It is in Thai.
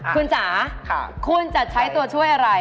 คุณจ๋าคุณจะใช้ตัวช่วยอะไร